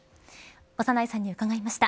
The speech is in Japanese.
長内さんに伺いました。